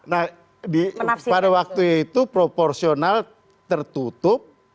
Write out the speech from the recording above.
nah pada waktu itu proporsional tertutup